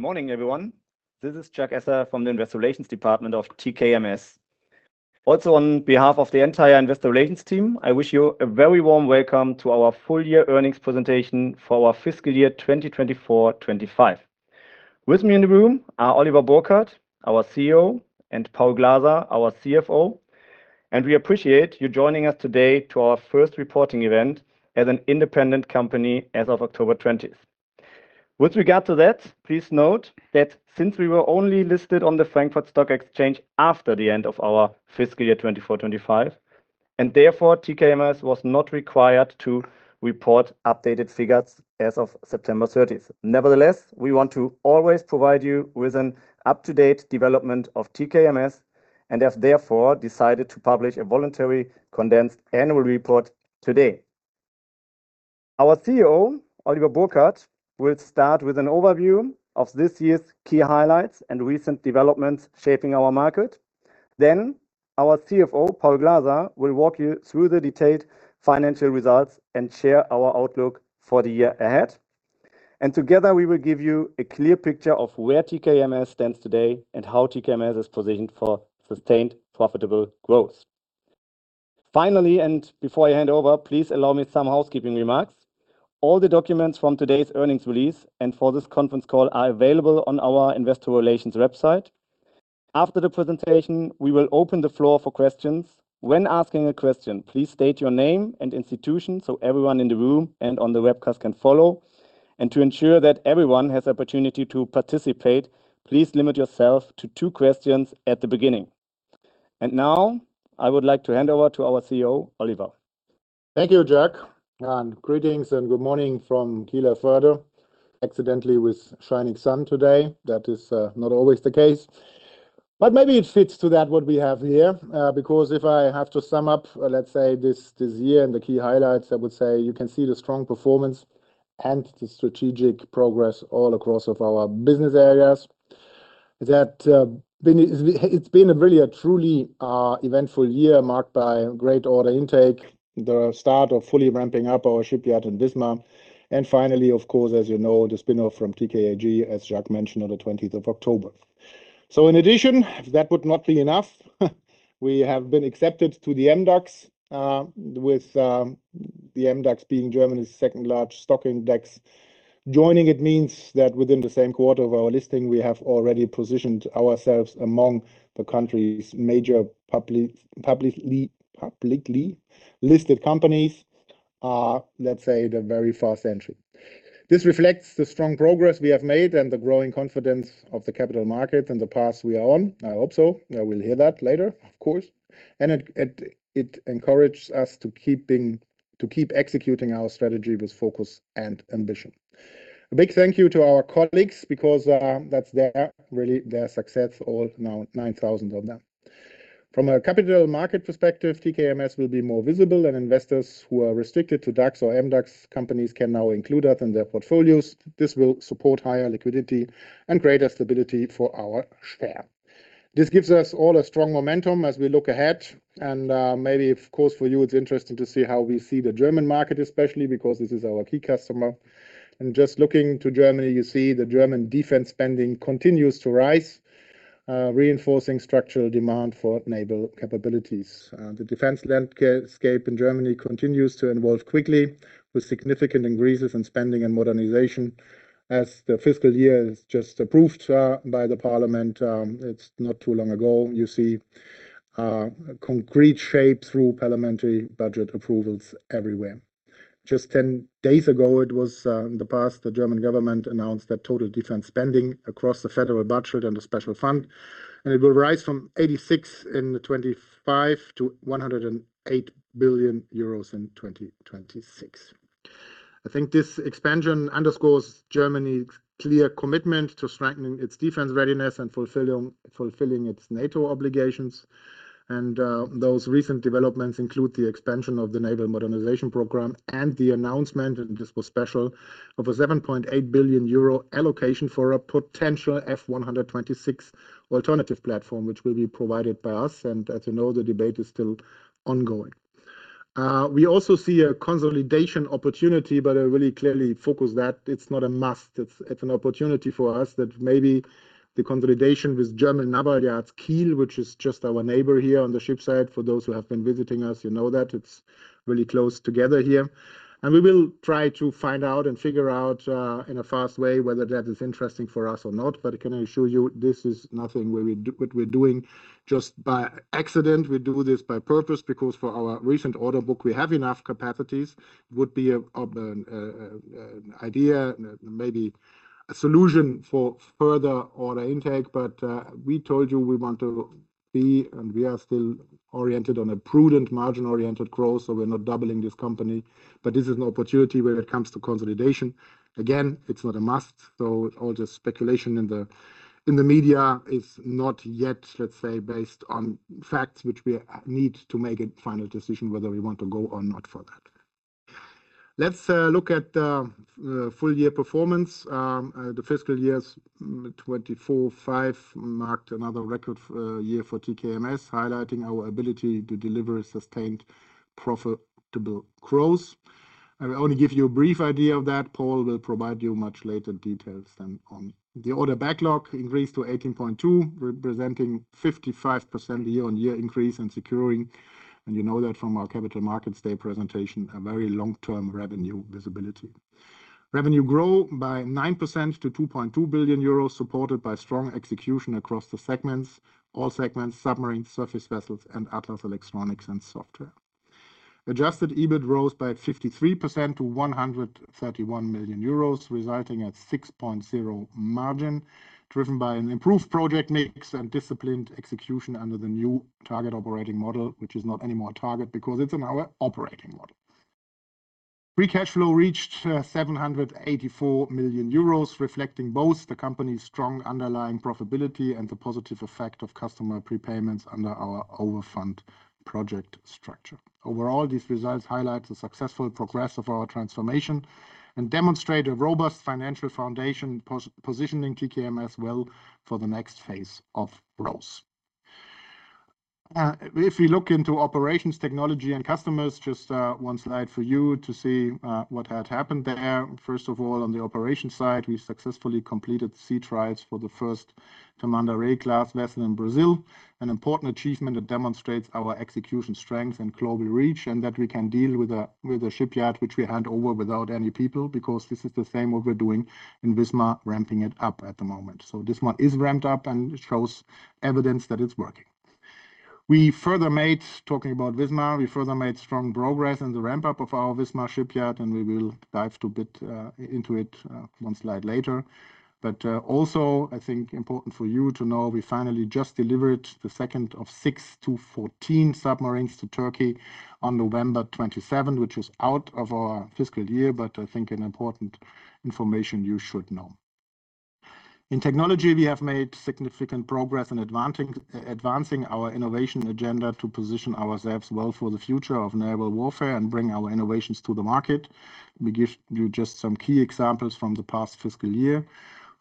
Good morning, everyone. This is Jacques Esser from the Investor Relations Department of TKMS. Also, on behalf of the entire Investor Relations team, I wish you a very warm welcome to our full-year earnings presentation for our fiscal year 2024-25. With me in the room are Oliver Burkhard, our CEO, and Paul Glaser, our CFO, and we appreciate you joining us today to our first reporting event as an independent company as of October 20. With regard to that, please note that since we were only listed on the Frankfurt Stock Exchange after the end of our fiscal year 24-25, and therefore TKMS was not required to report updated figures as of September 30. Nevertheless, we want to always provide you with an up-to-date development of TKMS and have therefore decided to publish a voluntary condensed annual report today. Our CEO, Oliver Burkhard, will start with an overview of this year's key highlights and recent developments shaping our market. Then, our CFO, Paul Glaser, will walk you through the detailed financial results and share our outlook for the year ahead, and together we will give you a clear picture of where TKMS stands today and how TKMS is positioned for sustained profitable growth. Finally, and before I hand over, please allow me some housekeeping remarks. All the documents from today's earnings release and for this conference call are available on our Investor Relations website. After the presentation, we will open the floor for questions. When asking a question, please state your name and institution so everyone in the room and on the webcast can follow, and to ensure that everyone has the opportunity to participate, please limit yourself to two questions at the beginning. Now, I would like to hand over to our CEO, Oliver. Thank you, Jack, and greetings and good morning from Kieler Förde. Actually with shining sun today. That is not always the case. But maybe it fits to what we have here. Because if I have to sum up, let's say this year and the key highlights, I would say you can see the strong performance and the strategic progress all across our business areas. It's been really a truly eventful year marked by great order intake, the start of fully ramping up our shipyard in Wismar. And finally, of course, as you know, the spin-off from TKAG, as Chuck mentioned, on the 20th of October. So in addition, if that would not be enough, we have been accepted to the MDAX, with the MDAX being Germany's second-largest stock index. Joining it means that within the same quarter of our listing, we have already positioned ourselves among the country's major publicly listed companies, let's say the very first entry. This reflects the strong progress we have made and the growing confidence of the capital market and the path we are on. I hope so. We'll hear that later, of course. And it encourages us to keep executing our strategy with focus and ambition. A big thank you to our colleagues because that's their success, all now 9,000 of them. From a capital market perspective, TKMS will be more visible and investors who are restricted to DAX or MDAX companies can now include us in their portfolios. This will support higher liquidity and greater stability for our share. This gives us all a strong momentum as we look ahead. And maybe, of course, for you, it's interesting to see how we see the German market, especially because this is our key customer. And just looking to Germany, you see the German defense spending continues to rise, reinforcing structural demand for naval capabilities. The defense landscape in Germany continues to evolve quickly with significant increases in spending and modernization. As the fiscal year is just approved by the parliament, it's not too long ago, you see concrete shape through parliamentary budget approvals everywhere. Just 10 days ago, it was in the past, the German government announced that total defense spending across the federal budget and the special fund, and it will rise from 86 billion in 2025 to 108 billion euros in 2026. I think this expansion underscores Germany's clear commitment to strengthening its defense readiness and fulfilling its NATO obligations. Those recent developments include the expansion of the naval modernization program and the announcement, and this was special, of a 7.8 billion euro allocation for a potential F126 alternative platform, which will be provided by us. As you know, the debate is still ongoing. We also see a consolidation opportunity, but I really clearly focus that it's not a must. It's an opportunity for us that maybe the consolidation with German Naval Yards Kiel, which is just our neighbor here on the ship side. For those who have been visiting us, you know that it's really close together here. We will try to find out and figure out in a fast way whether that is interesting for us or not. But I can assure you, this is nothing where we're doing just by accident. We do this by purpose because for our recent order book, we have enough capacities. It would be an idea, maybe a solution for further order intake. But we told you we want to be, and we are still oriented on a prudent margin-oriented growth. So we're not doubling this company. But this is an opportunity when it comes to consolidation. Again, it's not a must. So all the speculation in the media is not yet, let's say, based on facts, which we need to make a final decision whether we want to go or not for that. Let's look at the full-year performance. The fiscal year 2024-2025 marked another record year for TKMS, highlighting our ability to deliver sustained profitable growth. I will only give you a brief idea of that. Paul will provide you much later details then on. The order backlog increased to 18.2 billion, representing 55% year-on-year increase and securing, and you know that from our Capital Markets Day presentation, a very long-term revenue visibility. Revenue grew by 9% to 2.2 billion euros, supported by strong execution across the segments, all segments, submarine, Surface Vessels, and Atlas Elektronik and software. Adjusted EBIT rose by 53% to 131 million euros, resulting at 6.0% margin, driven by an improved project mix and disciplined execution under the new target operating model, which is not anymore a target because it's an operating model. Free cash flow reached 784 million euros, reflecting both the company's strong underlying profitability and the positive effect of customer prepayments under our overfund project structure. Overall, these results highlight the successful progress of our transformation and demonstrate a robust financial foundation, positioning TKMS well for the next phase of growth. If we look into operations, technology, and customers, just one slide for you to see what had happened there. First of all, on the operations side, we successfully completed sea trials for the first Tamandaré-class vessel in Brazil, an important achievement that demonstrates our execution strength and global reach, and that we can deal with a shipyard which we hand over without any people because this is the same what we're doing in Wismar, ramping it up at the moment. So this one is ramped up and shows evidence that it's working. We further made, talking about Wismar, we further made strong progress in the ramp-up of our Wismar shipyard, and we will dive a bit into it one slide later. But also, I think important for you to know, we finally just delivered the second of six Type 214 submarines to Turkey on November 27, which is out of our fiscal year, but I think an important information you should know. In technology, we have made significant progress in advancing our innovation agenda to position ourselves well for the future of naval warfare and bring our innovations to the market. We give you just some key examples from the past fiscal year.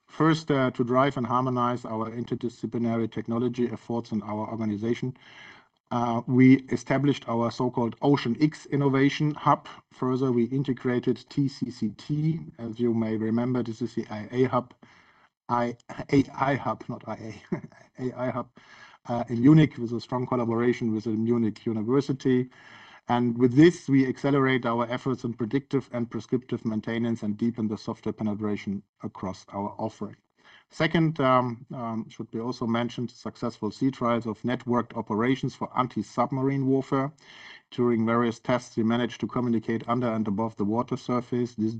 First, to drive and harmonize our interdisciplinary technology efforts in our organization, we established our so-called OceanX Innovation Hub. Further, we integrated TCCT, as you may remember, this is the AI Hub, AI Hub, not IA, AI Hub in Munich with a strong collaboration with the Munich University. With this, we accelerate our efforts in predictive and prescriptive maintenance and deepen the software penetration across our offering. Second, should be also mentioned, successful sea trials of networked operations for anti-submarine warfare. During various tests, we managed to communicate under and above the water surface. This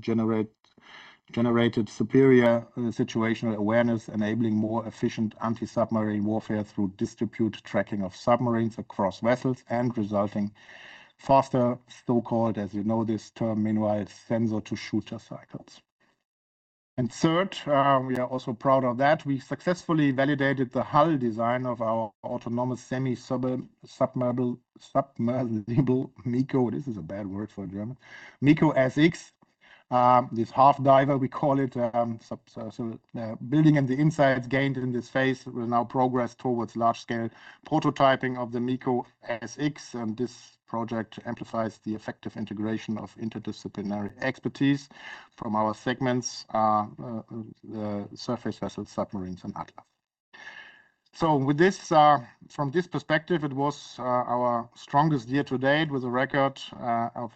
generated superior situational awareness, enabling more efficient anti-submarine warfare through distributed tracking of submarines across vessels and resulting in faster, so-called, as you know this term, meanwhile, sensor-to-shooter cycles. Third, we are also proud of that. We successfully validated the hull design of our autonomous semi-submersible MEKO. This is a bad word for German, MEKO S-X. This half-diver, we call it, building in the insights gained in this phase will now progress towards large-scale prototyping of the MEKO S-X. This project amplifies the effective integration of interdisciplinary expertise from our segments, Surface Vessels, submarines, and Atlas. From this perspective, it was our strongest year to date with a record of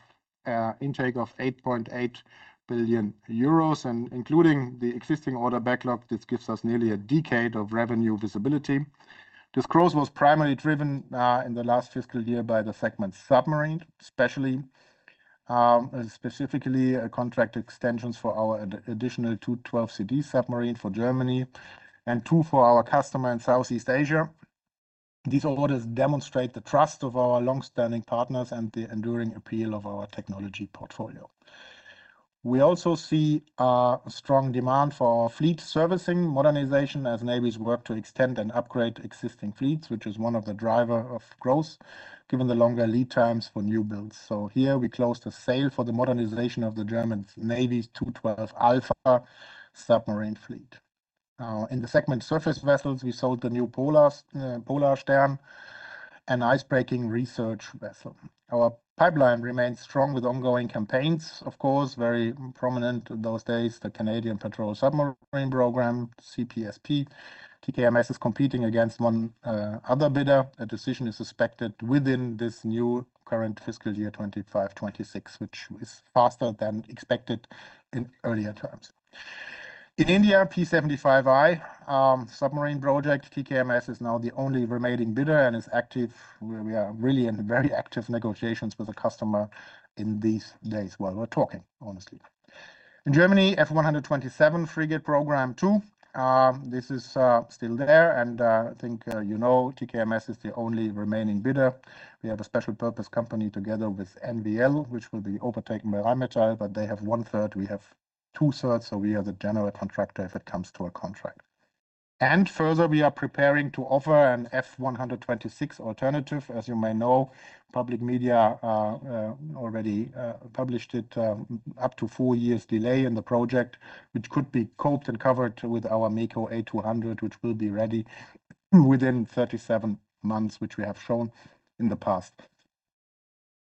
intake of 8.8 billion euros. Including the existing order backlog, this gives us nearly a decade of revenue visibility. This growth was primarily driven in the last fiscal year by the segment submarine, specifically contract extensions for our additional two 212CD submarines for Germany and two for our customer in Southeast Asia. These orders demonstrate the trust of our long-standing partners and the enduring appeal of our technology portfolio. We also see a strong demand for our fleet servicing modernization as navies work to extend and upgrade existing fleets, which is one of the drivers of growth given the longer lead times for new builds. Here, we closed a sale for the modernization of the German Navy's 212A submarine fleet. In the segment Surface Vessels, we sold the new Polarstern, an icebreaking research vessel. Our pipeline remains strong with ongoing campaigns, of course. Very prominent in those days, the Canadian Patrol Submarine Program, CPSP. TKMS is competing against one other bidder. A decision is expected within this new current fiscal year 2025-2026, which is faster than expected in earlier terms. In India, P75I submarine project, TKMS is now the only remaining bidder and is active. We are really in very active negotiations with a customer in these days while we're talking, honestly. In Germany, F127 frigate program, too. This is still there, and I think you know TKMS is the only remaining bidder. We have a special purpose company together with NVL, which will be overtaken by Rheinmetall, but they have one third. We have 2/3, so we are the general contractor if it comes to a contract. Further, we are preparing to offer an F126 alternative. As you may know, public media already published it up to four years delay in the project, which could be coped and covered with our MEKO A-200, which will be ready within 37 months, which we have shown in the past.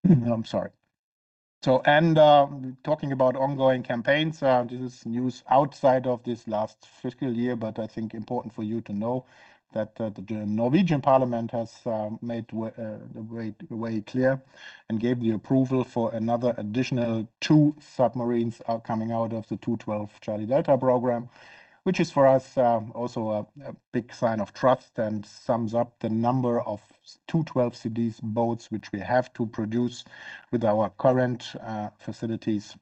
I'm sorry. Talking about ongoing campaigns, this is news outside of this last fiscal year, but I think important for you to know that the Norwegian Parliament has made the way clear and gave the approval for another additional two submarines coming out of the 212 Charlie Delta program, which is for us also a big sign of trust and sums up the number of 212CDs boats, which we have to produce with our current facilities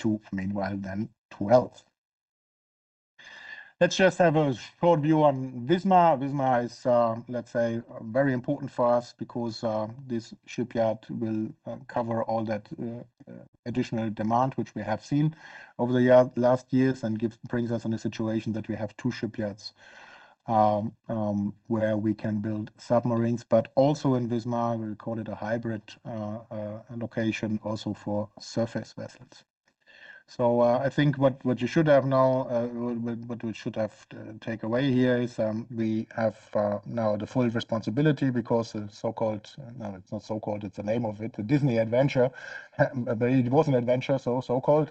to meanwhile then 12. Let's just have a short view on Wismar. Wismar is, let's say, very important for us because this shipyard will cover all that additional demand, which we have seen over the last years and brings us in a situation that we have two shipyards where we can build submarines, but also in Wismar, we'll call it a hybrid location also for Surface Vessels. So I think what you should have now, what we should have take away here is we have now the full responsibility because the so-called, no, it's not so-called, it's the name of it, the Disney Adventure, but it was an adventure, so so-called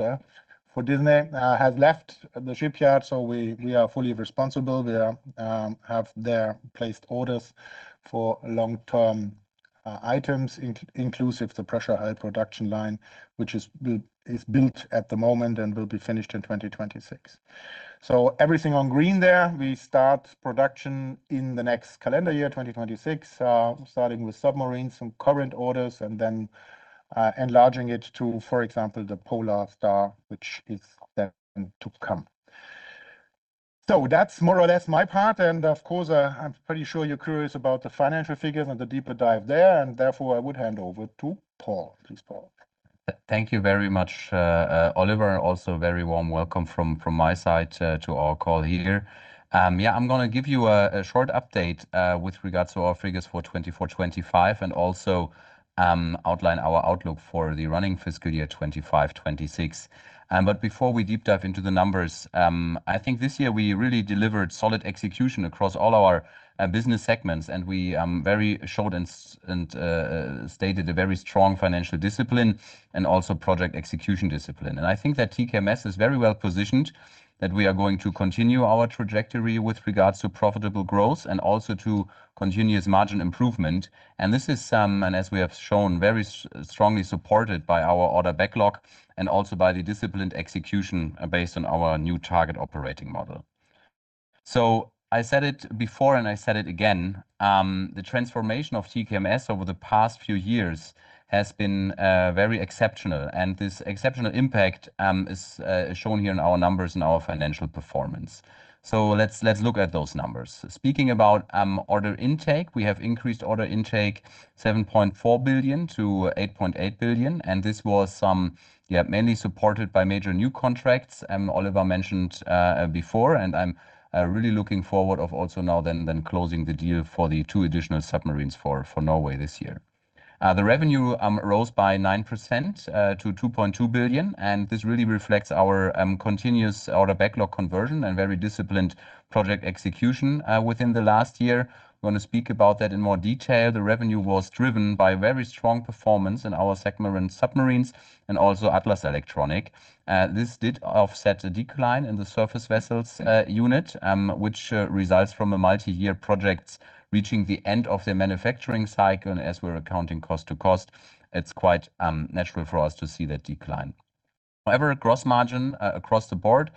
for Disney has left the shipyard. So we are fully responsible. We have there placed orders for long-term items, inclusive the pressure hull production line, which is built at the moment and will be finished in 2026. So everything on green there, we start production in the next calendar year, 2026, starting with submarines, some current orders, and then enlarging it to, for example, the Polarstern, which is then to come. So that's more or less my part. And of course, I'm pretty sure you're curious about the financial figures and the deeper dive there. And therefore, I would hand over to Paul. Please, Paul. Thank you very much, Oliver. And also very warm welcome from my side to our call here. Yeah, I'm going to give you a short update with regards to our figures for 2024-2025 and also outline our outlook for the running fiscal year 2025-2026. But before we deep dive into the numbers, I think this year we really delivered solid execution across all our business segments. And we very shortly stated a very strong financial discipline and also project execution discipline. I think that TKMS is very well-positioned that we are going to continue our trajectory with regards to profitable growth and also to continuous margin improvement. And this is, and as we have shown, very strongly supported by our order backlog and also by the disciplined execution based on our new target operating model. So I said it before and I said it again. The transformation of TKMS over the past few years has been very exceptional. And this exceptional impact is shown here in our numbers and our financial performance. So let's look at those numbers. Speaking about order intake, we have increased order intake 7.4 billion-8.8 billion. And this was mainly supported by major new contracts. Oliver mentioned before, and I'm really looking forward to also now then closing the deal for the two additional submarines for Norway this year. The revenue rose by 9% to 2.2 billion, and this really reflects our continuous order backlog conversion and very disciplined project execution within the last year. I'm going to speak about that in more detail. The revenue was driven by very strong performance in our segment submarines and Atlas Elektronik. This did offset a decline in the Surface Vessels unit, which results from a multi-year project reaching the end of the manufacturing cycle, and as we're accounting cost to cost, it's quite natural for us to see that decline. However, gross margin across the board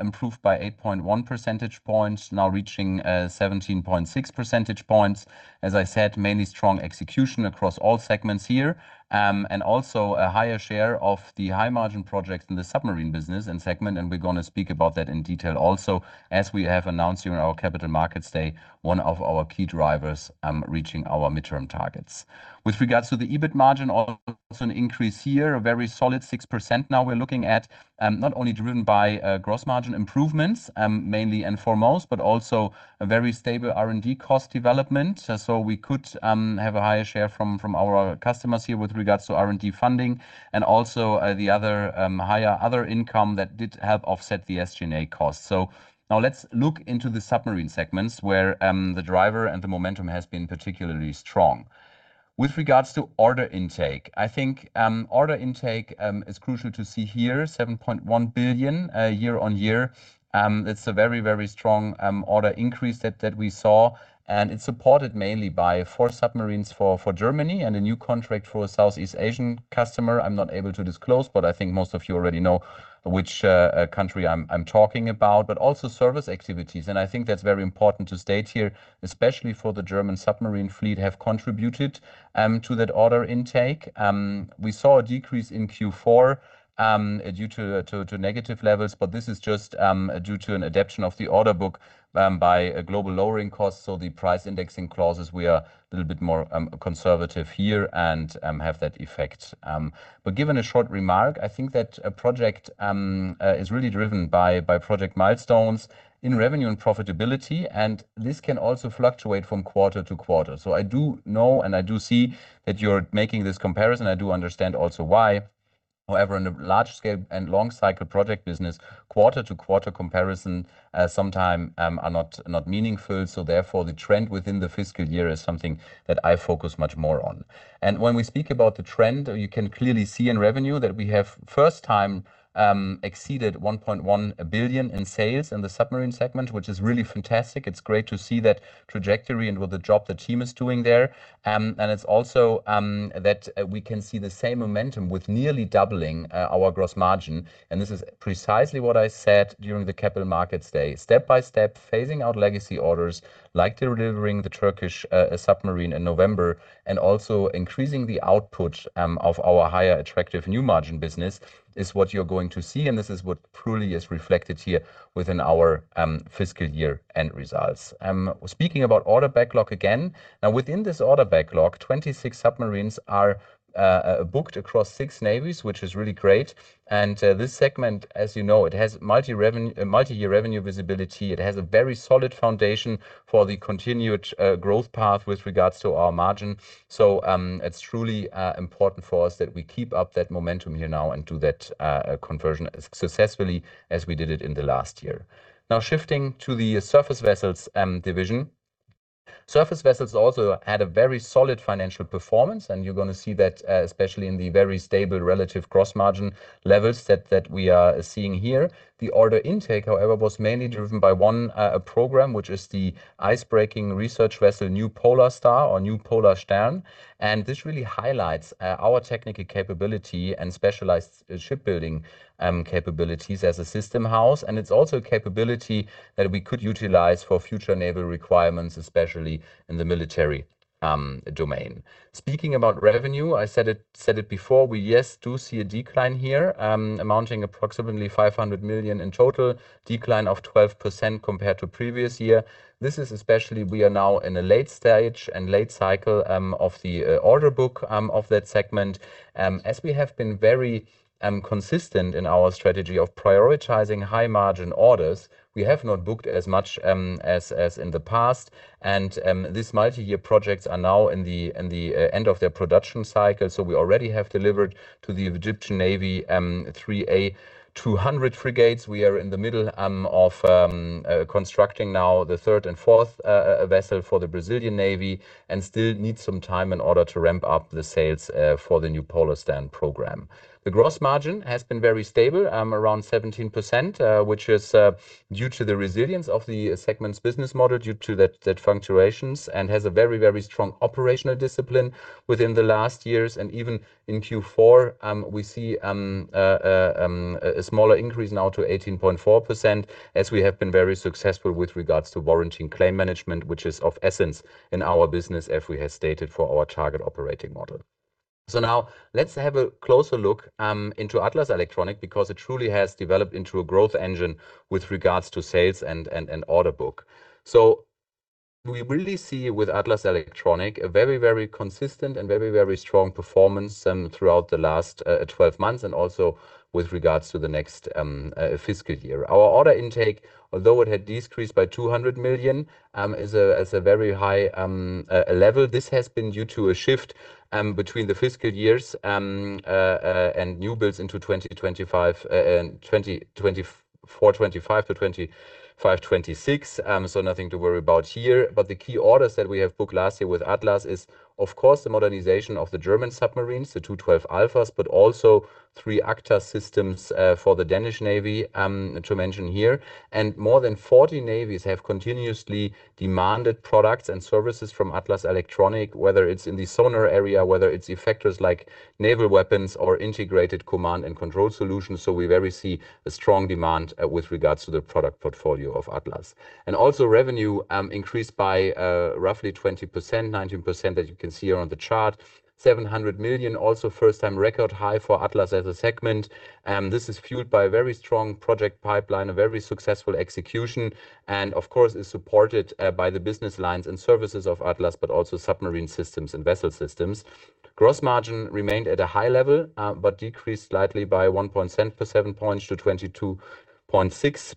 improved by 8.1 percentage points, now reaching 17.6 percentage points. As I said, mainly strong execution across all segments here and also a higher share of the high margin projects in the submarine business and segment. And we're going to speak about that in detail also as we have announced here in our Capital Markets Day, one of our key drivers reaching our midterm targets. With regards to the EBIT margin, also an increase here, a very solid 6% now we're looking at, not only driven by gross margin improvements, mainly and foremost, but also a very stable R&D cost development. So we could have a higher share from our customers here with regards to R&D funding and also the other higher other income that did help offset the SG&A cost. So now let's look into the submarine segments where the driver and the momentum has been particularly strong. With regards to order intake, I think order intake is crucial to see here, 7.1 billion year-on-year. It's a very, very strong order increase that we saw. It's supported mainly by four submarines for Germany and a new contract for a Southeast Asian customer. I'm not able to disclose, but I think most of you already know which country I'm talking about, but also service activities. I think that's very important to state here, especially for the German submarine fleet have contributed to that order intake. We saw a decrease in Q4 due to negative levels, but this is just due to an adaptation of the order book by globally lowering costs. The price indexing clauses, we are a little bit more conservative here and have that effect. Given a short remark, I think that a project is really driven by project milestones in revenue and profitability. This can also fluctuate from quarter to quarter. I do know and I do see that you're making this comparison. I do understand also why. However, in a large scale and long cycle project business, quarter-to-quarter comparisons sometimes are not meaningful, so therefore, the trend within the fiscal year is something that I focus much more on, and when we speak about the trend, you can clearly see in revenue that we have first time exceeded 1.1 billion in sales in the submarine segment, which is really fantastic. It's great to see that trajectory and with the job the team is doing there, and it's also that we can see the same momentum with nearly doubling our gross margin, and this is precisely what I said during the Capital Markets Day. Step by step, phasing out legacy orders like delivering the Turkish submarine in November and also increasing the output of our higher attractive new margin business is what you're going to see. And this is what truly is reflected here within our fiscal year end results. Speaking about order backlog again, now within this order backlog, 26 submarines are booked across six navies. Which is really great. And this segment, as you know, it has multi-year revenue visibility. It has a very solid foundation for the continued growth path with regards to our margin. So it's truly important for us that we keep up that momentum here now and do that conversion successfully as we did it in the last year. Now shifting to the Surface Vessels division. Surface vessels also had a very solid financial performance. And you're going to see that especially in the very stable relative gross margin levels that we are seeing here. The order intake, however, was mainly driven by one program, which is the icebreaking research vessel new Polarstern. This really highlights our technical capability and specialized shipbuilding capabilities as a system house. It's also a capability that we could utilize for future naval requirements, especially in the military domain. Speaking about revenue, I said it before. We yes do see a decline here, amounting approximately 500 million in total, decline of 12% compared to previous year. This is especially we are now in a late stage and late cycle of the order book of that segment. As we have been very consistent in our strategy of prioritizing high margin orders, we have not booked as much as in the past. These multi-year projects are now in the end of their production cycle. So we already have delivered to the Egyptian Navy three MEKO A-200 frigates. We are in the middle of constructing now the third and fourth vessel for the Brazilian Navy and still need some time in order to ramp up the sales for the new Polarstern program. The gross margin has been very stable, around 17%, which is due to the resilience of the segment's business model due to that fluctuations and has a very, very strong operational discipline within the last years, and even in Q4, we see a smaller increase now to 18.4% as we have been very successful with regards to warranty claim management, which is of essence in our business, as we have stated for our target operating model, so now let's have a closer look Atlas Elektronik because it truly has developed into a growth engine with regards to sales and order book. We really see Atlas Elektronik a very, very consistent and very, very strong performance throughout the last 12 months and also with regards to the next fiscal year. Our order intake, although it had decreased by 200 million, is a very high level. This has been due to a shift between the fiscal years and new builds into 2024-2025 to 2025-2026. Nothing to worry about here. But the key orders that we have booked last year with ATLAS is, of course, the modernization of the German submarines, the 212A, but also three ACTAS systems for the Danish Navy to mention here. More than 40 navies have continuously demanded products and services Atlas Elektronik, whether it's in the sonar area, whether it's effectors like naval weapons or integrated command and control solutions. We very much see a strong demand with regards to the product portfolio of ATLAS. Revenue increased by roughly 20%, 19% that you can see here on the chart, 700 million, also first-time record high for ATLAS as a segment. This is fueled by a very strong project pipeline, a very successful execution, and of course is supported by the business lines and services of ATLAS, but also submarine systems and vessel systems. Gross margin remained at a high level, but decreased slightly by 1.7 percentage points to 22.6%. This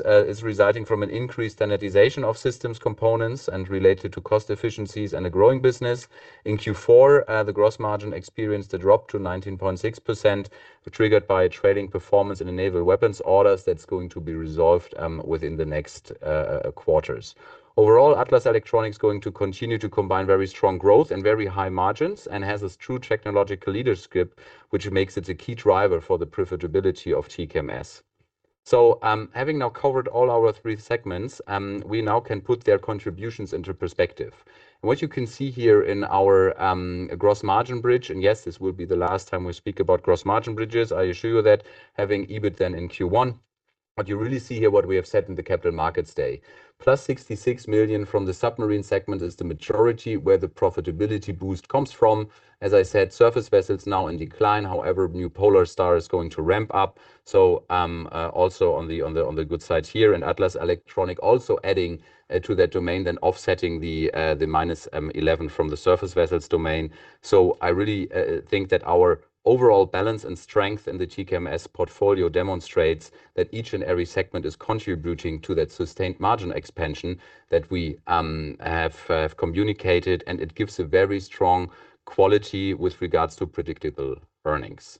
is resulting from an increased standardization of systems components and related to cost efficiencies and a growing business. In Q4, the gross margin experienced a drop to 19.6%, triggered by lagging performance in the naval weapons orders that's going to be resolved within the next quarters. Atlas Elektronik is going to continue to combine very strong growth and very high margins and has a true technological leadership, which makes it a key driver for the profitability of TKMS. So having now covered all our three segments, we now can put their contributions into perspective. What you can see here in our gross margin bridge, and yes, this will be the last time we speak about gross margin bridges, I assure you that having EBIT then in Q1, what you really see here, what we have said in the Capital Markets Day, plus 66 million from the submarine segment is the majority where the profitability boost comes from. As I said, Surface Vessels now in decline. However, new Polarstern is going to ramp up. So also on the good side here Atlas Elektronik also adding to that domain then offsetting the minus 11 from the Surface Vessels domain. So I really think that our overall balance and strength in the TKMS portfolio demonstrates that each and every segment is contributing to that sustained margin expansion that we have communicated. And it gives a very strong quality with regards to predictable earnings.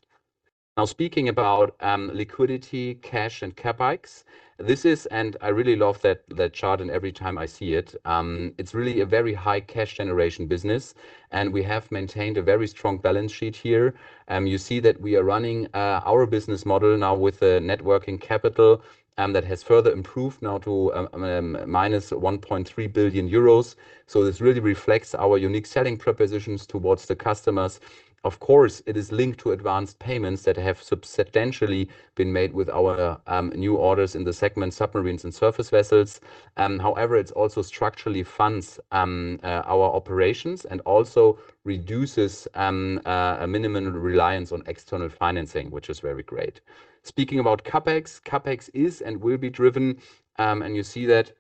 Now speaking about liquidity, cash, and CapEx, this is, and I really love that chart and every time I see it, it's really a very high cash generation business. And we have maintained a very strong balance sheet here. You see that we are running our business model now with a net working capital that has further improved now to -1.3 billion euros. So this really reflects our unique selling propositions towards the customers. Of course, it is linked to advanced payments that have substantially been made with our new orders in the segment submarines and Surface Vessels. However, it's also structurally funds our operations and also reduces a minimum reliance on external financing, which is very great. Speaking about CapEx, CapEx is and will be driven, and you see that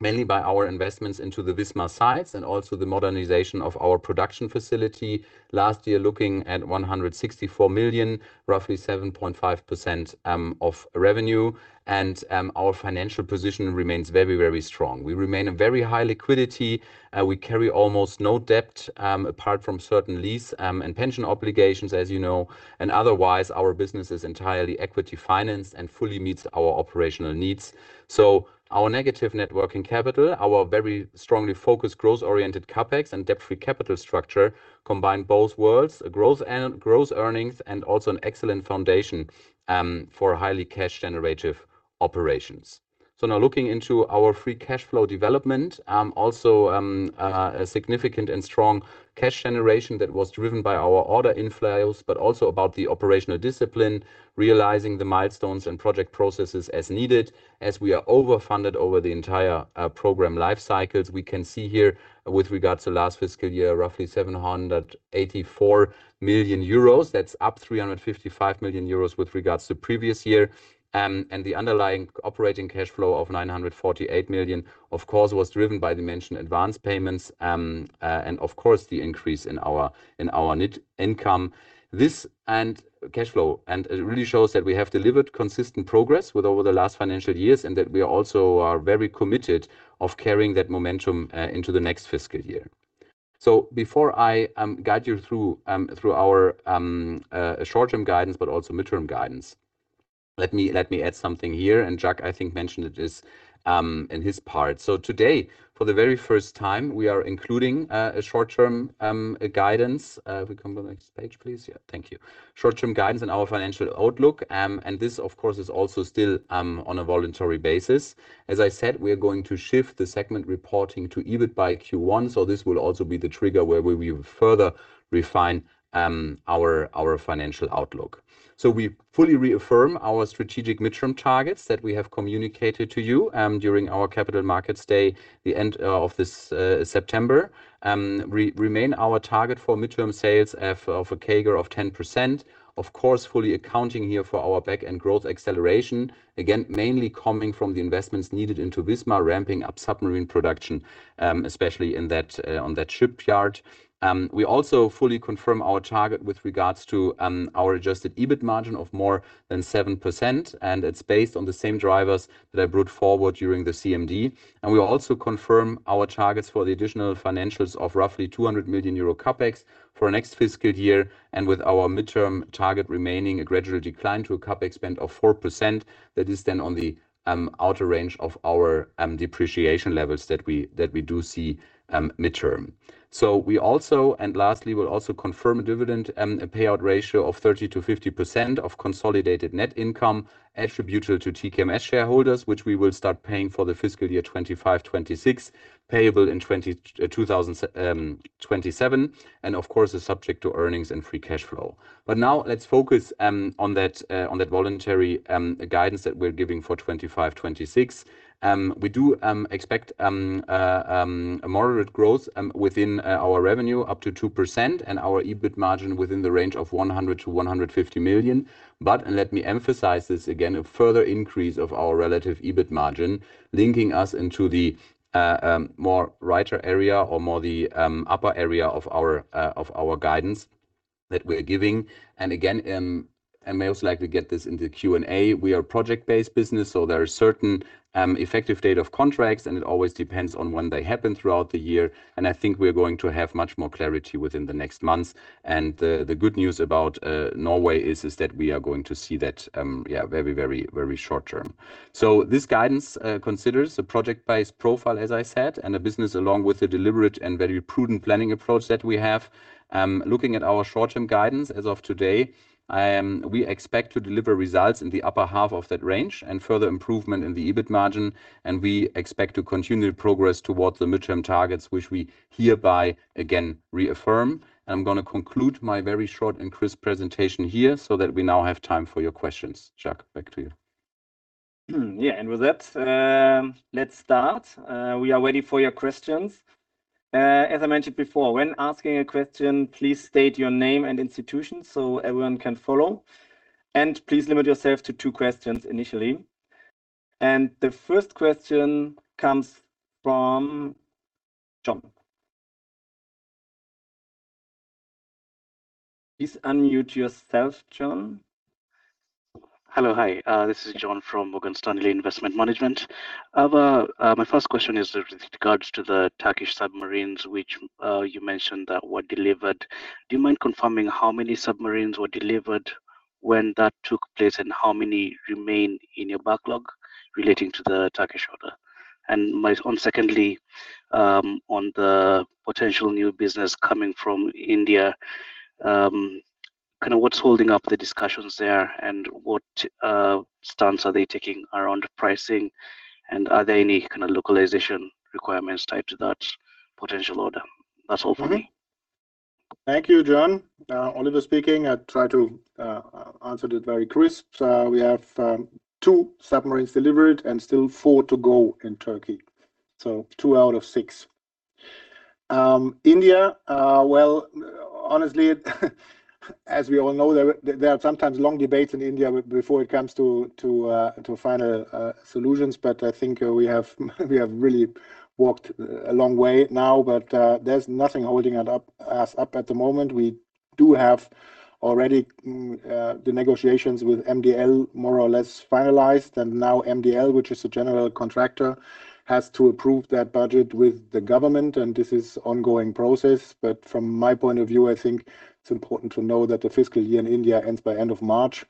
mainly by our investments into the Wismar sites and also the modernization of our production facility last year, looking at 164 million, roughly 7.5% of revenue, and our financial position remains very, very strong. We remain a very high liquidity. We carry almost no debt apart from certain lease and pension obligations, as you know, and otherwise, our business is entirely equity financed and fully meets our operational needs. Our negative net working capital, our very strongly focused growth-oriented CapEx and debt-free capital structure combine both worlds, growth and growth earnings, and also an excellent foundation for highly cash-generative operations. Now looking into our free cash flow development, also a significant and strong cash generation that was driven by our order inflows, but also about the operational discipline, realizing the milestones and project processes as needed as we are overfunded over the entire program life cycles. We can see here with regards to last fiscal year, roughly 784 million euros. That's up 355 million euros with regards to previous year. And the underlying operating cash flow of 948 million, of course, was driven by the mentioned advance payments. And of course, the increase in our net income. This and cash flow, and it really shows that we have delivered consistent progress with over the last financial years and that we also are very committed to carrying that momentum into the next fiscal year. So before I guide you through our short-term guidance, but also midterm guidance, let me add something here. And Jack, I think, mentioned it in his part. So today, for the very first time, we are including a short-term guidance. If we come to the next page, please. Yeah, thank you. Short-term guidance and our financial outlook. And this, of course, is also still on a voluntary basis. As I said, we are going to shift the segment reporting to EBIT by Q1. So this will also be the trigger where we further refine our financial outlook. We fully reaffirm our strategic midterm targets that we have communicated to you during our Capital Markets Day, the end of this September. We remain our target for midterm sales of a CAGR of 10%. Of course, fully accounting here for our back-end growth acceleration, again, mainly coming from the investments needed into Wismar, ramping up submarine production, especially on that shipyard. We also fully confirm our target with regards to our adjusted EBIT margin of more than 7%. It's based on the same drivers that I brought forward during the CMD. We also confirm our targets for the additional financials of roughly 200 million euro CapEx for next fiscal year. With our midterm target remaining a gradual decline to a CapEx spend of 4%, that is then on the outer range of our depreciation levels that we do see midterm. We also, and lastly, will also confirm a dividend payout ratio of 30%-50% of consolidated net income attributed to TKMS shareholders, which we will start paying for the fiscal year 2025-2026, payable in 2027, and of course, is subject to earnings and free cash flow. Now let's focus on that voluntary guidance that we're giving for 2025-2026. We do expect a moderate growth within our revenue up to 2% and our EBIT margin within the range of 100 million-150 million. Let me emphasize this again, a further increase of our relative EBIT margin linking us into the more richer area or more the upper area of our guidance that we're giving. Again, and most likely get this into Q&A, we are a project-based business, so there are certain effective date of contracts and it always depends on when they happen throughout the year. I think we're going to have much more clarity within the next months. The good news about Norway is that we are going to see that very, very, very short term. This guidance considers a project-based profile, as I said, and a business along with a deliberate and very prudent planning approach that we have. Looking at our short-term guidance as of today, we expect to deliver results in the upper half of that range and further improvement in the EBIT margin. We expect to continue progress towards the midterm targets, which we hereby again reaffirm. I'm going to conclude my very short and crisp presentation here so that we now have time for your questions. Jack, back to you. Yeah, and with that, let's start. We are ready for your questions. As I mentioned before, when asking a question, please state your name and institution so everyone can follow. And please limit yourself to two questions initially. And the first question comes from John. Please unmute yourself, John. Hello, hi. This is John from Morgan Stanley Investment Management. My first question is with regards to the Turkish submarines, which you mentioned that were delivered. Do you mind confirming how many submarines were delivered when that took place and how many remain in your backlog relating to the Turkish order? And my secondly, on the potential new business coming from India, kind of what's holding up the discussions there and what stance are they taking around pricing? And are there any kind of localization requirements tied to that potential order? That's all for me. Thank you, John. Oliver speaking. I'll try to answer it very crisp. We have two submarines delivered and still four to go in Turkey. So two out of six. India, well, honestly, as we all know, there are sometimes long debates in India before it comes to final solutions, but I think we have really walked a long way now, but there's nothing holding us up at the moment. We do have already the negotiations with MDL more or less finalized, and now MDL, which is the general contractor, has to approve that budget with the government, and this is an ongoing process. But from my point of view, I think it's important to know that the fiscal year in India ends by the end of March.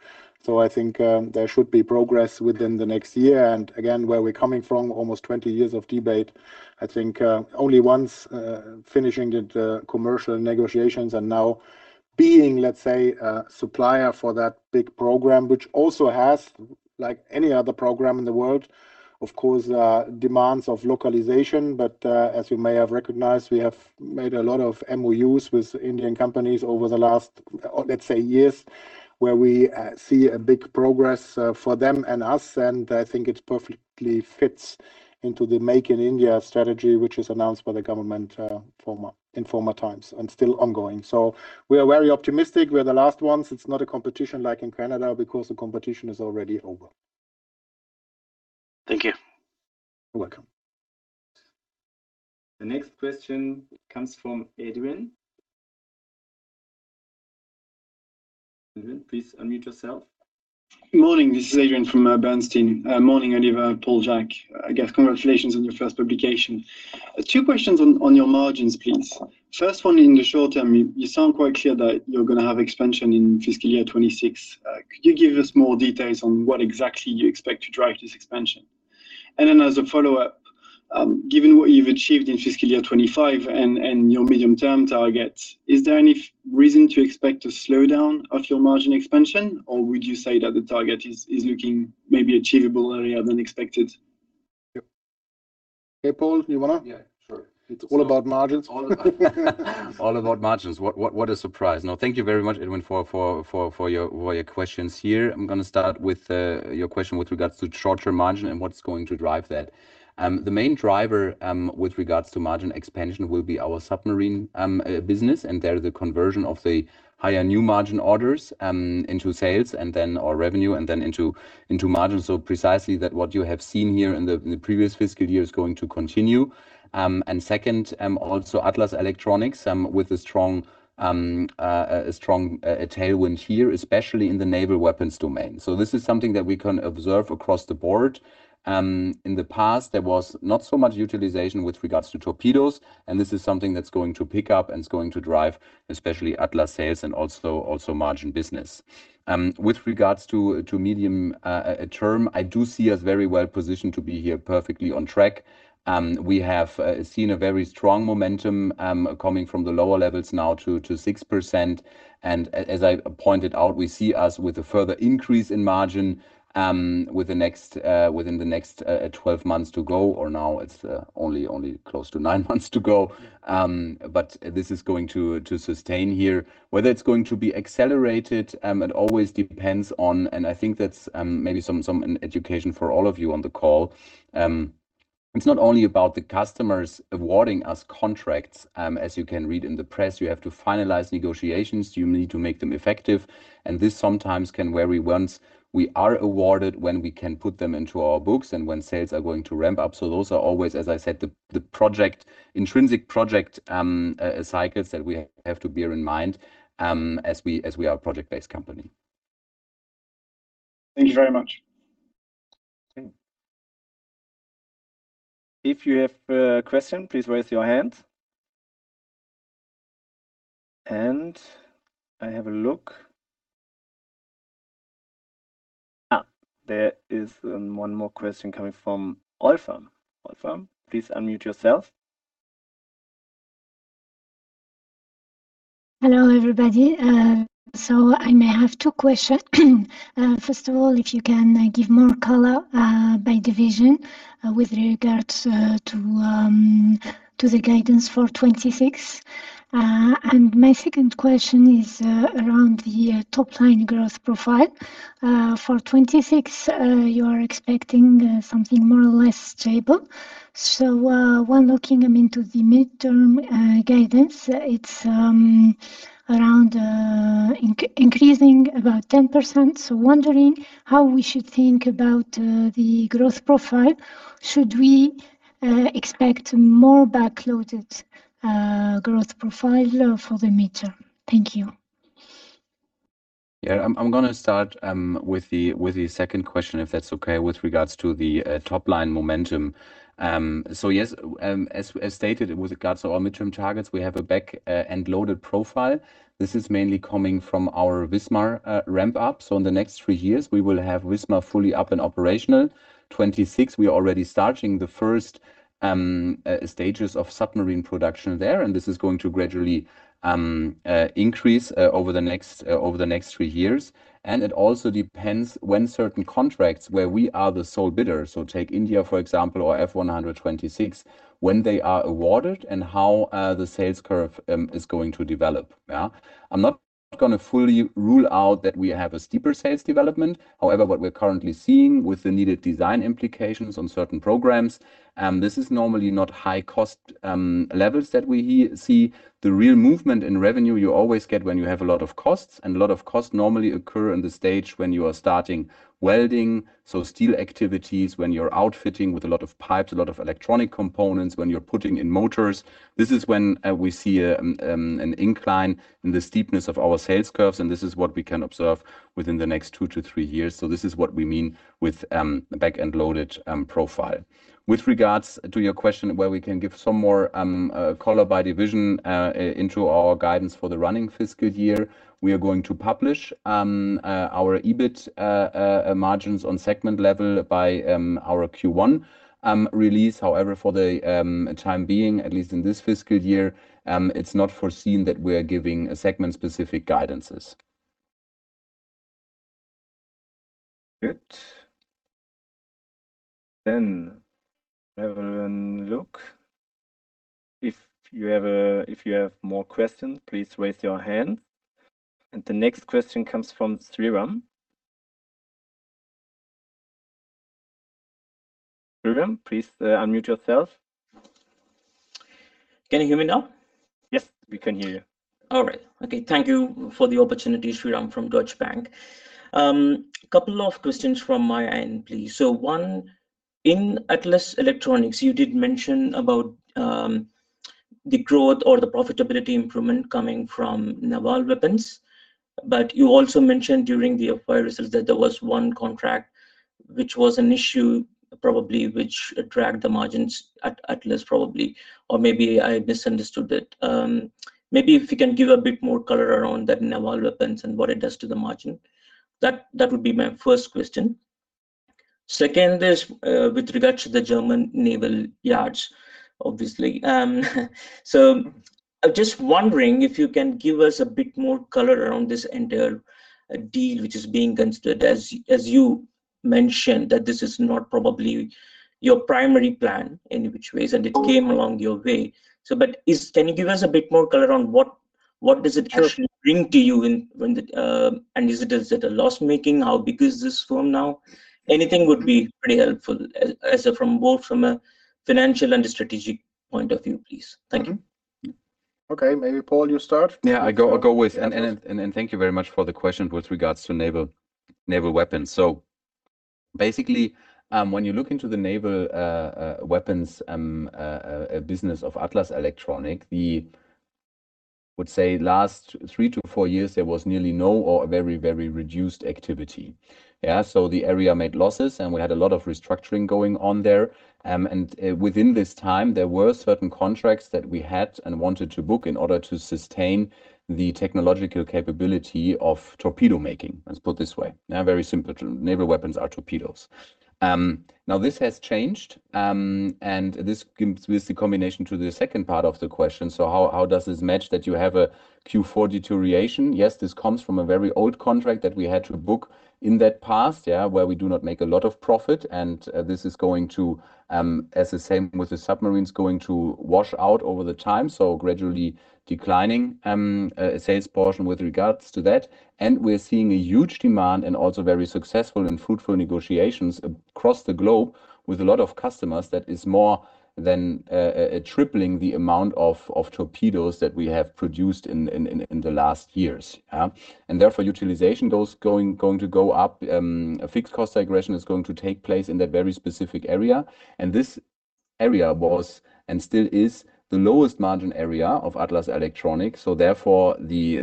So I think there should be progress within the next year. And again, where we're coming from, almost 20 years of debate, I think only once finishing the commercial negotiations and now being, let's say, a supplier for that big program, which also has, like any other program in the world, of course, demands of localization. But as you may have recognized, we have made a lot of MoUs with Indian companies over the last, let's say, years where we see a big progress for them and us. And I think it perfectly fits into the Make in India strategy, which is announced by the government in former times and still ongoing. So we are very optimistic. We are the last ones. It's not a competition like in Canada because the competition is already over. Thank you. You're welcome. The next question comes from Adrien. Adrien, please unmute yourself. Good morning. This is Adrien from Bernstein. Morning, Oliver, Paul, Jack. I guess congratulations on your first publication. Two questions on your margins, please. First one, in the short term, you sound quite clear that you're going to have expansion in fiscal year 2026. Could you give us more details on what exactly you expect to drive this expansion? And then as a follow-up, given what you've achieved in fiscal year 2025 and your medium-term target, is there any reason to expect a slowdown of your margin expansion, or would you say that the target is looking maybe achievable earlier than expected? Okay, Paul, do you want to? Yeah, sure. It's all about margins. All about margins. What a surprise. No, thank you very much, Adrian, for your questions here. I'm going to start with your question with regards to short-term margin and what's going to drive that. The main driver with regards to margin expansion will be our submarine business, and there's the conversion of the higher new margin orders into sales and then our revenue and then into margin. So precisely that what you have seen here in the previous fiscal year is going to continue. And second, Atlas Elektronik with a strong tailwind here, especially in the naval weapons domain. So this is something that we can observe across the board. In the past, there was not so much utilization with regards to torpedoes, and this is something that's going to pick up and it's going to drive Atlas Elektronik sales and also margin business. With regards to medium term, I do see us very well positioned to be here perfectly on track. We have seen a very strong momentum coming from the lower levels now to 6%. As I pointed out, we see us with a further increase in margin within the next 12 months to go, or now it's only close to nine months to go. But this is going to sustain here. Whether it's going to be accelerated, it always depends on, and I think that's maybe some education for all of you on the call. It's not only about the customers awarding us contracts. As you can read in the press, you have to finalize negotiations. You need to make them effective. And this sometimes can worry once we are awarded when we can put them into our books and when sales are going to ramp up. So those are always, as I said, the project intrinsic project cycles that we have to bear in mind as we are a project-based company. Thank you very much. If you have a question, please raise your hand, and I have a look. There is one more question coming from Olfa. Olfa, please unmute yourself. Hello, everybody, so I may have two questions. First of all, if you can give more color by division with regards to the guidance for 26, and my second question is around the top-line growth profile. For 2026, you are expecting something more or less stable, so when looking into the midterm guidance, it's around increasing about 10%, wondering how we should think about the growth profile. Should we expect more back-loaded growth profile for the midterm? Thank you. Yeah, I'm going to start with the second question, if that's okay, with regards to the top-line momentum, so yes, as stated, with regards to our midterm targets, we have a back-end loaded profile. This is mainly coming from our Wismar ramp-up. So in the next three years, we will have Wismar fully up and operational. In 2026, we are already starting the first stages of submarine production there, and this is going to gradually increase over the next three years. And it also depends when certain contracts where we are the sole bidders, so take India, for example, or F126, when they are awarded and how the sales curve is going to develop. I'm not going to fully rule out that we have a steeper sales development. However, what we're currently seeing with the needed design implications on certain programs, this is normally not high-cost levels that we see. The real movement in revenue you always get when you have a lot of costs, and a lot of costs normally occur in the stage when you are starting welding, so steel activities, when you're outfitting with a lot of pipes, a lot of electronic components, when you're putting in motors. This is when we see an incline in the steepness of our sales curves, and this is what we can observe within the next two to three years. So this is what we mean with a back-end loaded profile. With regards to your question where we can give some more color by division into our guidance for the running fiscal year, we are going to publish our EBIT margins on segment level by our Q1 release. However, for the time being, at least in this fiscal year, it's not foreseen that we're giving segment-specific guidances. Good. Then have a look. If you have more questions, please raise your hand. And the next question comes from Sriram. Sriram, please unmute yourself. Can you hear me now? Yes, we can hear you. All right. Okay. Thank you for the opportunity, Sriram, from Deutsche Bank. A couple of questions from my end, please. So one, Atlas Elektronik, you did mention about the growth or the profitability improvement coming from Naval Weapons. But you also mentioned during the FY results that there was one contract which was an issue probably which dragged the margins at Atlas, probably, or maybe I misunderstood it. Maybe if you can give a bit more color around that Naval Weapons and what it does to the margin. That would be my first question. Second is with regards to the German Naval Yards, obviously. I'm just wondering if you can give us a bit more color around this entire deal which is being considered, as you mentioned, that this is not probably your primary plan in which ways, and it came along your way, but can you give us a bit more color around what does it actually bring to you, and is it a loss-making? How big is this firm now? Anything would be pretty helpful from both from a financial and a strategic point of view, please. Thank you. Okay. Maybe Paul, you start. Yeah, I'll go with. And thank you very much for the question with regards to naval weapons. Basically, when you look into the naval weapons business ofAtlas Elektronik, I would say last three to four years, there was nearly no or very, very reduced activity. Yeah. So the area made losses, and we had a lot of restructuring going on there. And within this time, there were certain contracts that we had and wanted to book in order to sustain the technological capability of torpedo making, let's put it this way. Very simple. Naval weapons are torpedoes. Now, this has changed, and this gives the combination to the second part of the question. So how does this match that you have a Q4 deterioration? Yes, this comes from a very old contract that we had to book in the past, yeah, where we do not make a lot of profit. And this is going to, as the same with the submarines, going to wash out over time, so gradually declining sales portion with regards to that. We're seeing a huge demand and also very successful and fruitful negotiations across the globe with a lot of customers. That is more than tripling the amount of torpedoes that we have produced in the last years. Therefore, utilization going to go up. Fixed cost degression is going to take place in that very specific area. This area was and still is the lowest margin area of Atlas Elektronik. Therefore, the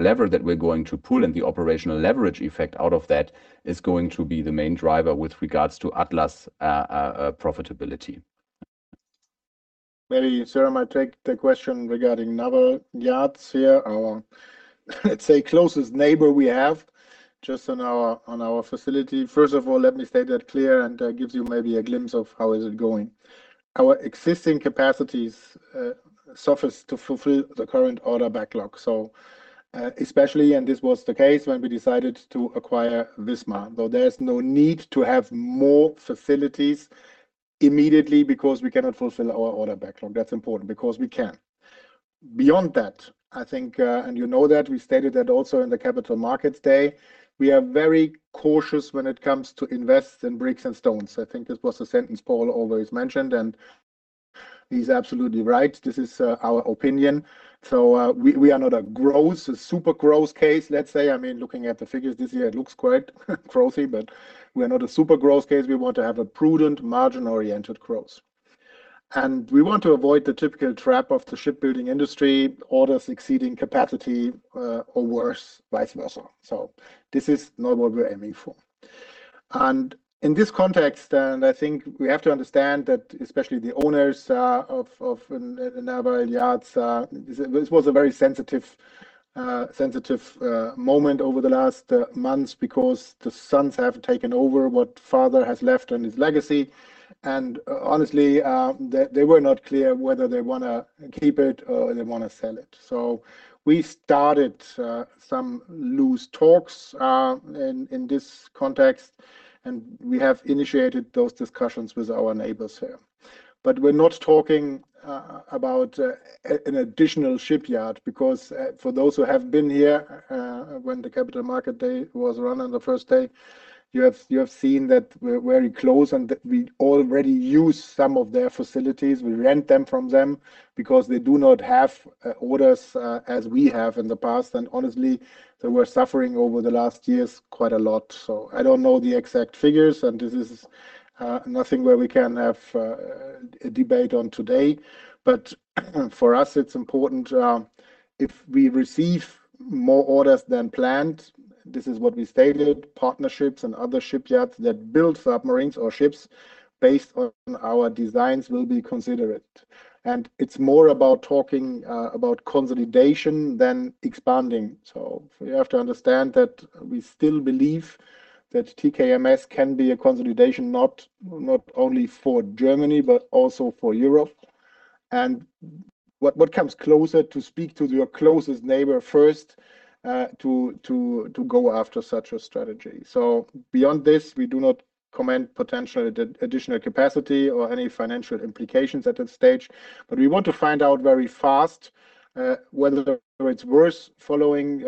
lever that we're going to pull and the operational leverage effect out of that is going to be the main driver with regards to Atlas Elektronik profitability. Maybe Sriram, I take the question regarding Naval Yards here, our, let's say, closest neighbor we have just on our facility. First of all, let me state that clearly and give you maybe a glimpse of how it is going. Our existing capacities suffice to fulfill the current order backlog, so especially, and this was the case when we decided to acquire Wismar, though there's no need to have more facilities immediately because we cannot fulfill our order backlog. That's important because we can. Beyond that, I think, and you know that we stated that also in the Capital Markets Day, we are very cautious when it comes to invest in bricks and stones. I think this was a sentence Paul always mentioned, and he's absolutely right. This is our opinion, so we are not a growth, a super growth case, let's say. I mean, looking at the figures this year, it looks quite growthy, but we are not a super growth case. We want to have a prudent, margin-oriented growth and we want to avoid the typical trap of the shipbuilding industry, orders exceeding capacity or worse, vice versa. This is not what we're aiming for. In this context, I think we have to understand that especially the owners of German Naval Yards Kiel, this was a very sensitive moment over the last months because the sons have taken over what father has left on his legacy. Honestly, they were not clear whether they want to keep it or they want to sell it. We started some loose talks in this context, and we have initiated those discussions with our neighbors here. We're not talking about an additional shipyard because for those who have been here when the capital market day was run on the first day, you have seen that we're very close and that we already use some of their facilities. We rent them from them because they do not have orders as we have in the past. Honestly, they were suffering over the last years quite a lot. I don't know the exact figures, and this is nothing where we can have a debate on today. For us, it's important if we receive more orders than planned. This is what we stated. Partnerships and other shipyards that build submarines or ships based on our designs will be considered. It's more about talking about consolidation than expanding. You have to understand that we still believe that TKMS can be a consolidation not only for Germany, but also for Europe. What comes closer to speak to your closest neighbor first to go after such a strategy. Beyond this, we do not comment potentially additional capacity or any financial implications at that stage. We want to find out very fast whether it's worth following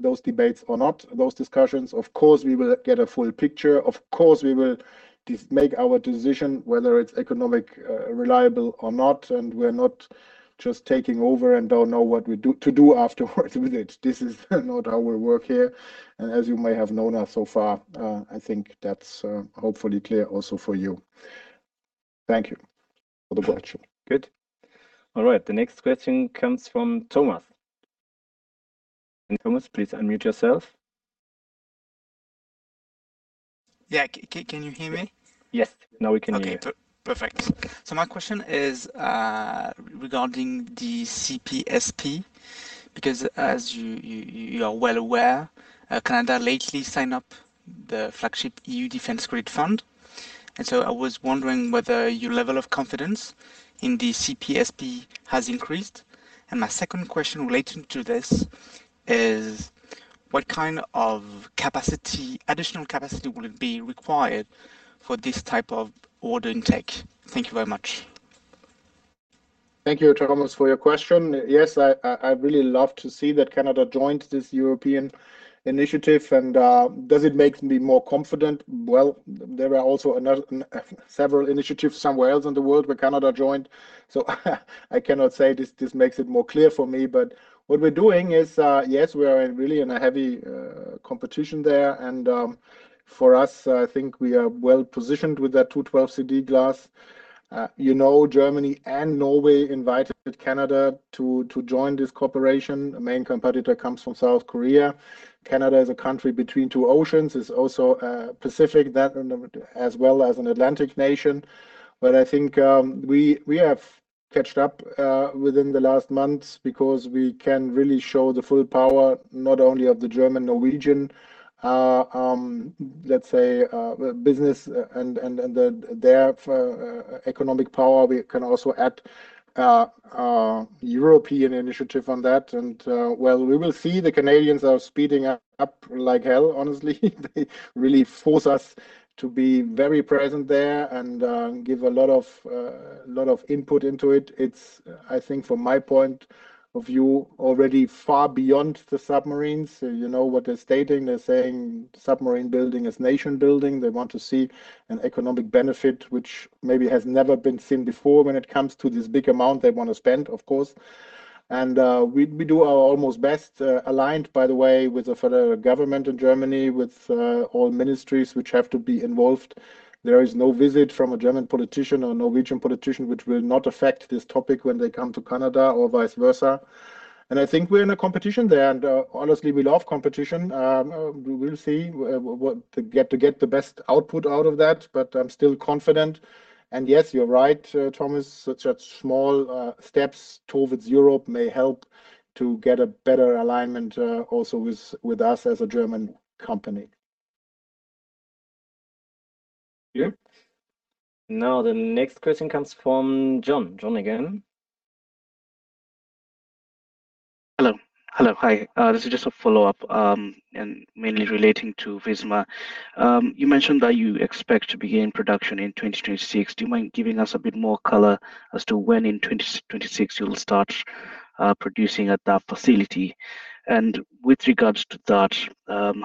those debates or not, those discussions. Of course, we will get a full picture. Of course, we will make our decision whether it's economically reliable or not. And we're not just taking over and don't know what to do afterwards with it. This is not how we work here. And as you may have known us so far, I think that's hopefully clear also for you. Thank you for the question. Good. All right. The next question comes from Thomas. And Thomas, please unmute yourself. Yeah. Can you hear me? Yes. Now we can hear you. Okay. Perfect. So my question is regarding the CPSP because as you are well aware, Canada lately signed up the flagship EU Defense Credit Fund. And so I was wondering whether your level of confidence in the CPSP has increased. My second question relating to this is what kind of additional capacity will be required for this type of order intake? Thank you very much. Thank you, Thomas, for your question. Yes, I really love to see that Canada joined this European initiative. Does it make me more confident? There are also several initiatives somewhere else in the world where Canada joined. I cannot say this makes it more clear for me. What we're doing is, yes, we are really in a heavy competition there. For us, I think we are well positioned with that 212CD class. Germany and Norway invited Canada to join this cooperation. The main competitor comes from South Korea. Canada is a country between two oceans. It's also a Pacific as well as an Atlantic nation. But I think we have caught up within the last months because we can really show the full power not only of the German, Norwegian, let's say, business and their economic power. We can also add a European initiative on that. And well, we will see the Canadians are speeding up like hell, honestly. They really force us to be very present there and give a lot of input into it. It's, I think, from my point of view, already far beyond the submarines. You know what they're stating. They're saying submarine building is nation building. They want to see an economic benefit, which maybe has never been seen before when it comes to this big amount they want to spend, of course. And we do our almost best aligned, by the way, with the federal government in Germany, with all ministries which have to be involved. There is no visit from a German politician or Norwegian politician which will not affect this topic when they come to Canada or vice versa. And I think we're in a competition there. And honestly, we love competition. We will see what to get the best output out of that. But I'm still confident. And yes, you're right, Thomas. Such small steps towards Europe may help to get a better alignment also with us as a German company. Yeah. Now, the next question comes from John. John again. Hello. Hello. Hi. This is just a follow-up and mainly relating to Wismar. You mentioned that you expect to begin production in 2026. Do you mind giving us a bit more color as to when in 2026 you'll start producing at that facility? With regards to that,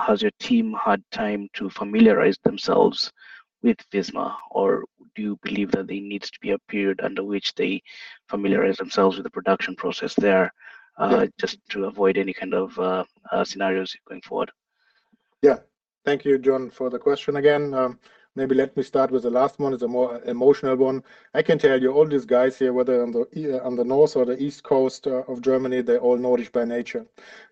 has your team had time to familiarize themselves with Wismar, or do you believe that there needs to be a period under which they familiarize themselves with the production process there just to avoid any kind of scenarios going forward? Yeah. Thank you, John, for the question again. Maybe let me start with the last one is a more emotional one. I can tell you all these guys here, whether on the north or the east coast of Germany, they're all Nordic by nature.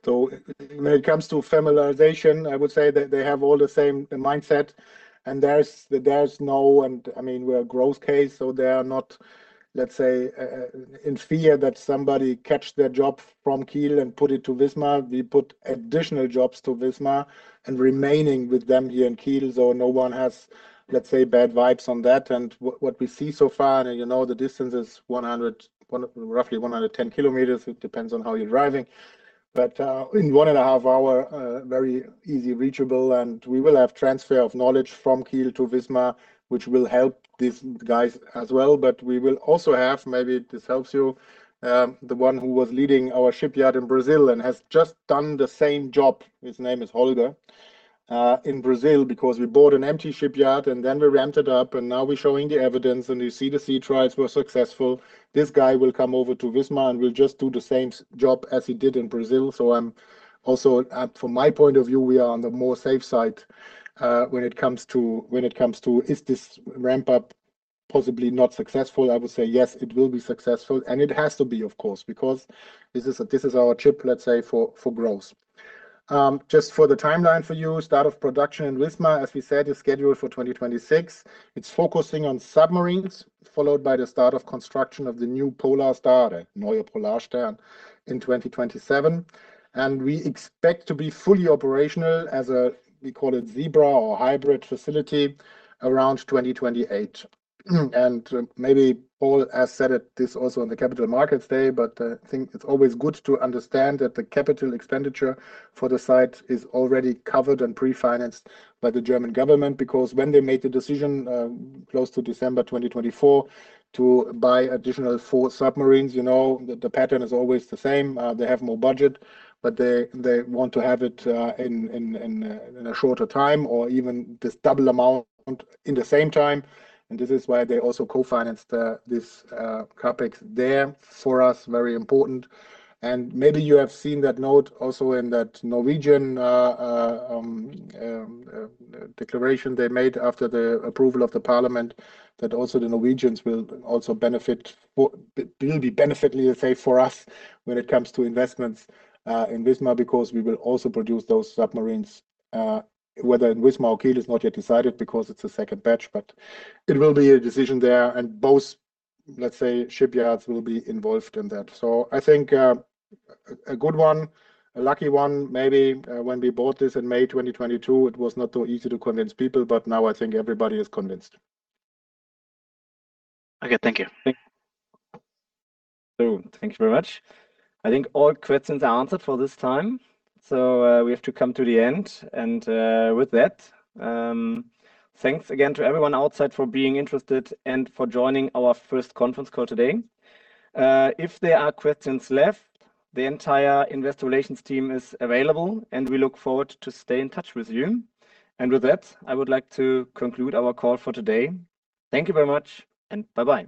So when it comes to familiarization, I would say that they have all the same mindset. And there's no, and I mean, we're a growth case. So they are not, let's say, in fear that somebody catch their job from Kiel and put it to Wismar. We put additional jobs to Wismar and remaining with them here in Kiel. So no one has, let's say, bad vibes on that. And what we see so far, you know, the distance is roughly 110 km. It depends on how you're driving. But in one and a half hour, very easy reachable. And we will have transfer of knowledge from Kiel to Wismar, which will help these guys as well. But we will also have, maybe this helps you, the one who was leading our shipyard in Brazil and has just done the same job. His name is Holger in Brazil because we bought an empty shipyard and then we ramped it up. And now we're showing the evidence and you see the sea trials were successful. This guy will come over to Wismar and we'll just do the same job as he did in Brazil. So I'm also, from my point of view, we are on the more safe side when it comes to is this ramp-up possibly not successful? I would say yes, it will be successful. And it has to be, of course, because this is our ship, let's say, for growth. Just for the timeline for you, start of production in Wismar, as we said, is scheduled for 2026. It's focusing on submarines, followed by the start of construction of the new Polarstern, the Neue Polarstern, in 2027. And we expect to be fully operational as a, we call it Zebra or hybrid facility around 2028. And maybe Paul has said it, this also on the Capital Markets Day, but I think it's always good to understand that the capital expenditure for the site is already covered and pre-financed by the German government because when they made the decision close to December 2024 to buy additional four submarines, you know, the pattern is always the same. They have more budget, but they want to have it in a shorter time or even this double amount in the same time. And this is why they also co-financed this CapEx there for us, very important. Maybe you have seen that note also in that Norwegian declaration they made after the approval of the parliament that also the Norwegians will benefit. It will be beneficial, let's say, for us when it comes to investments in Wismar because we will also produce those submarines, whether in Wismar or Kiel is not yet decided because it's a second batch, but it will be a decision there. Both, let's say, shipyards will be involved in that. I think a good one, a lucky one, maybe when we bought this in May 2022, it was not so easy to convince people, but now I think everybody is convinced. Okay. Thank you. Thank you very much. I think all questions are answered for this time. We have to come to the end. With that, thanks again to everyone outside for being interested and for joining our first conference call today. If there are questions left, the entire investor relations team is available, and we look forward to staying in touch with you. With that, I would like to conclude our call for today. Thank you very much, and bye-bye.